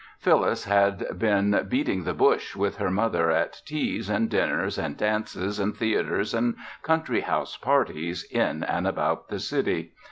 Phyllis had been "beating the bush" with her mother at teas and dinners and dances and theaters and country house parties in and about the city.